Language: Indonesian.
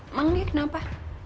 emang dia kenapa